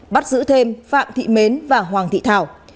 bắt giữ thêm phạm thị mến và hoàng thị thảo